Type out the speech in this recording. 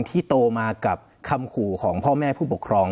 โตมากับคำขู่ของพ่อแม่ผู้ปกครอง